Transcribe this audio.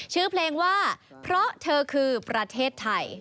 ชื่อเพลงว่าเพราะเธอคือประเทศไทย